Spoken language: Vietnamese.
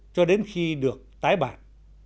cho đến khi được tái bản